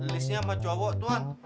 lisnya sama cowok tuhan